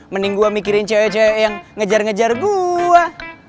mending gue mikirin cewek cewek yang ngejar ngejar gue